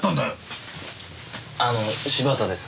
あの柴田です。